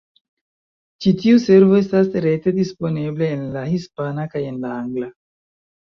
Ĉi tiu servo estas rete disponebla en la hispana kaj en la angla.